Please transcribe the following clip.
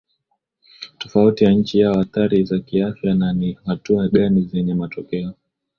tofauti ya nchi yao athari za kiafya na ni hatua gani zenye matokeo